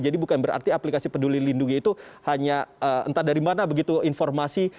jadi bukan berarti aplikasi peduli lindungi itu hanya entah dari mana begitu informasi